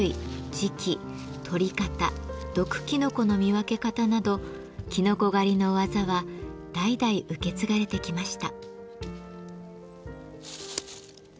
時期採り方毒きのこの見分け方などきのこ狩りの技は代々受け継がれてきました。